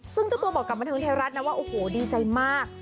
ซึ่งเจ้าตัวบอกกับบันเทิงไทยรัฐนะว่าโอ้โหดีใจมาก